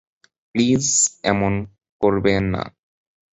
Please এমন করবে না।